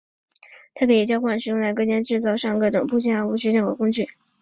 它可以交换使用来自各间制造商生产各种的部件而且无需任何的工具。